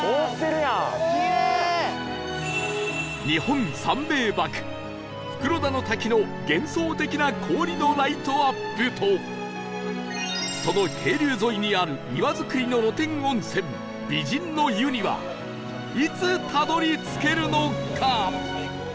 日本三名瀑袋田の滝の幻想的な氷のライトアップとその渓流沿いにある岩造りの露天温泉美人の湯にはいつたどり着けるのか？